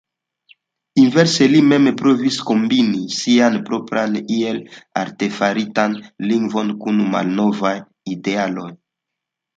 Inverse li mem provis kombini sian propran iel artefaritan lingvon kun malnovaj idealoj.